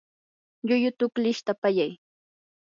llullu tuklishta pallay.